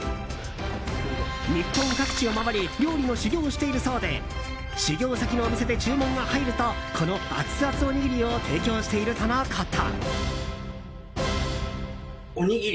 日本各地を回り料理の修業をしているそうで修業先のお店で注文が入るとこのアツアツおにぎりを提供しているとのこと。